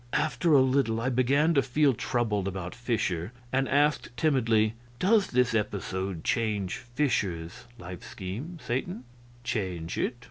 After a little I began to feel troubled about Fischer, and asked, timidly, "Does this episode change Fischer's life scheme, Satan?" "Change it?